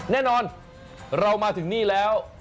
แน่นอนเรามาถึงนี่แล้ว